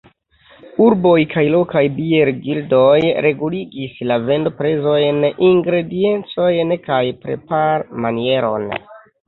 Urboj kaj lokaj biergildoj reguligis la vendoprezojn, ingrediencojn kaj preparmanieron.